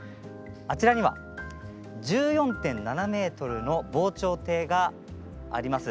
あちらには１４．７ｍの防潮堤があります。